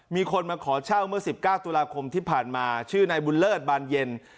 มีคนมาขอเช่าเมื่อ๑๙ตุลาคมที่ผ่านมาชื่อนายบุญเลิศบานเย็น